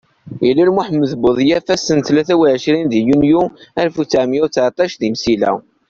Ilul Muḥemmed budyaf ass n tlata u ɛecrin yunyu alef u ttɛemya u tteɛṭac di Msila.